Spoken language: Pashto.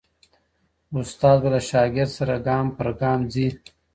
استاد به له شاګرد سره ګام پر ګام ځي.